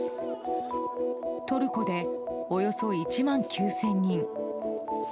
トルコでおよそ１万９０００人。